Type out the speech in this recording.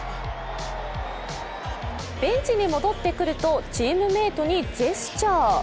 ベンチに戻ってくると、チームメートにジェスチャー。